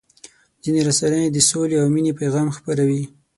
ځینې رسنۍ د سولې او مینې پیغام خپروي.